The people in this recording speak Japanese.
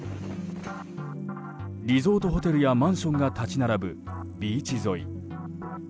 リゾートホテルやマンションが立ち並ぶビーチ沿い。